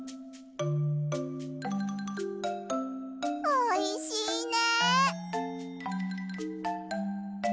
おいしいね！